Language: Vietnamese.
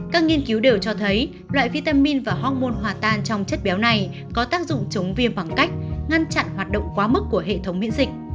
các nghiên cứu đều cho thấy loại vitamin và hongmon hòa tan trong chất béo này có tác dụng chống viêm bằng cách ngăn chặn hoạt động quá mức của hệ thống miễn dịch